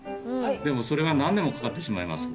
でもそれは何年もかかってしまいます。